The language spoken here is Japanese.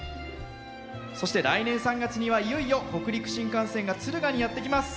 そして、来年３月にはいよいよ北陸新幹線が敦賀にやってきます。